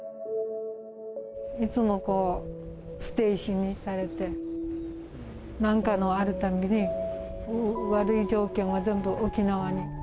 いつも捨て石にされて、なんかのあるたびに悪い条件は全部沖縄に。